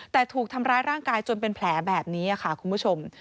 แต่ถูกทำร้ายร่างกายจนเป็นแผลแบบนี้ค่ะคุณผู้ชม